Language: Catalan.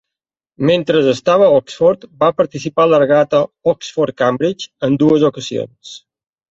Mentre estava a Oxford, va participar a la Regata Oxford-Cambridge en dues ocasions.